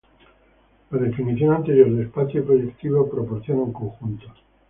La definición anterior de espacio proyectivo proporciona un conjunto.